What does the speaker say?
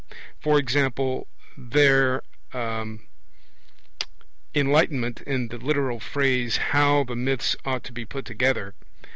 For example, their enlightenment in the literal phrase, 'how the myths ought to be put together.'